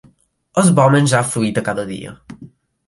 És bo menjar fruita cada dia.